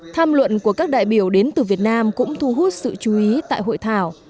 tham luận của các đại biểu đến từ việt nam cũng thu hút sự chú ý tại hội thảo